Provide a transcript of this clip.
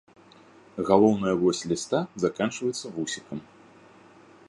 Галоўная вось ліста заканчваецца вусікам.